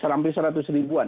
hampir seratus ribuan